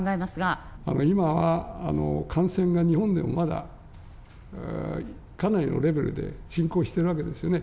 今は、感染が日本でも、まだかなりのレベルで進行しているわけですよね。